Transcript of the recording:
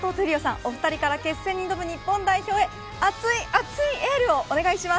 お二人から決戦に挑む日本代表へ熱い熱いエールをお願いします。